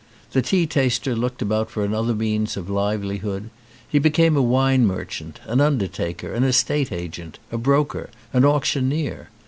The tea taster looked about for other means of livelihood. He became a wine merchant, an undertaker, an estate agent, a broker, an auctioneer.